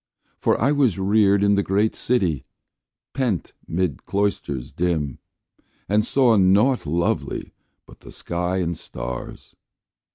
For I was reared In the great city, pent 'mid cloisters dim, And saw nought lovely but the sky and stars.